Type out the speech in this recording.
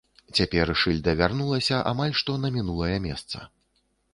Цяпер шыльда вярнулася амаль што на мінулае месца.